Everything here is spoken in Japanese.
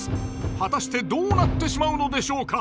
果たしてどうなってしまうのでしょうか？